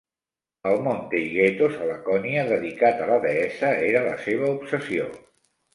El Mont Taygetos a Laconia, dedicat a la deessa, era la seva obsessió.